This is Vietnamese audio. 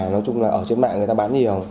nói chung là ở trên mạng người ta bán nhiều